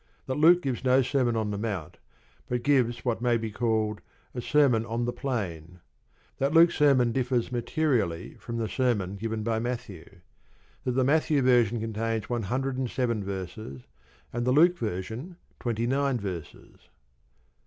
That Luke gives no Sermon on the Mount, but gives what may be called a "Sermon on the Plain." That Luke's sermon differs materially from the sermon given by Matthew. That the Matthew version contains one hundred and seven verses, and the Luke version twenty nine verses.